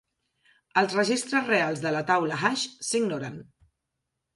Els registres reals de la taula hash s'ignoren.